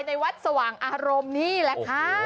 ในวัดสว่างอารมณ์นี่แหละค่ะ